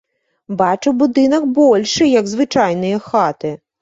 Бачу будынак большы, як звычайныя хаты.